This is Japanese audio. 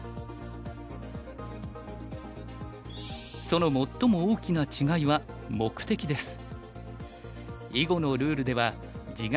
その最も大きな違いは目的です。